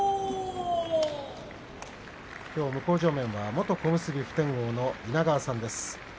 向正面は元小結普天王の稲川さんです。